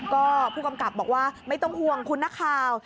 ก็ผู้กำกับบอกว่าไม่ต้องห่วงคุณนักข่าว